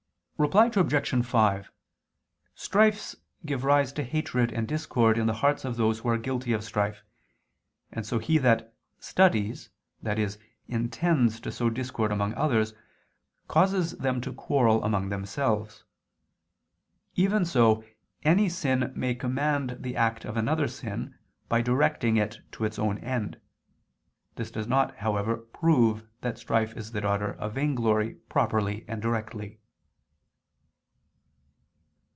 Reply Obj. 5: Strifes give rise to hatred and discord in the hearts of those who are guilty of strife, and so he that "studies," i.e., intends to sow discord among others, causes them to quarrel among themselves. Even so any sin may command the act of another sin, by directing it to its own end. This does not, however, prove that strife is the daughter of vainglory properly and directly.